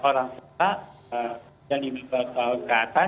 orang tua yang lima tahun ke atas